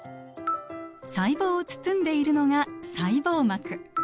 細胞を包んでいるのが細胞膜。